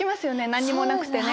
何にもなくてね。